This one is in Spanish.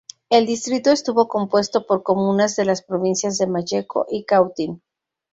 El distrito estuvo compuesto por comunas de las provincias de Malleco y Cautín.